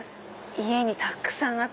家にたくさんあって。